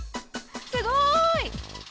すごーい！